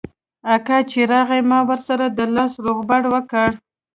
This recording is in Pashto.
اکا چې راغى ما ورسره د لاس روغبړ وکړ.